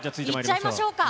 いっちゃいましょうか。